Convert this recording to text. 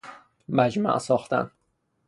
مجمع ساختن